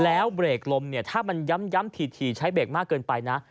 แล้วเบรกลมเนี่ยถ้ามันย้ำถี่ใช้เบรกมากเกินไปนะ